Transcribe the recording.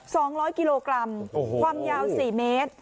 สองร้อยกิโลกรัมโอ้โหความยาวสี่เมตร